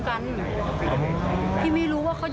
หมายถึงกว่าพี่เนี่ยแยกเขาออก